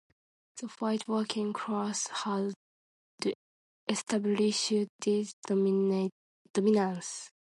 The white working class had established dominance.